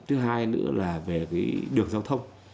thứ hai nữa là về cái đường giao thông